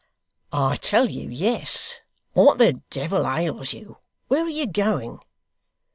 'I tell you, yes. What the devil ails you? Where are you going?